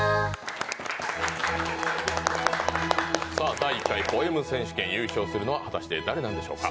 第１回ポエム選手権優勝するのは誰なんでしょうか。